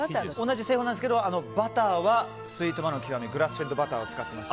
同じ製法なんですがバターはスイートマロン極はグラスフェッドバターを使ってます。